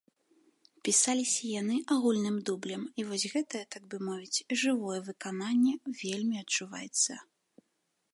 Пісаліся яны агульным дублем і вось гэтае, так бы мовіць, жывое выкананне, вельмі адчуваецца.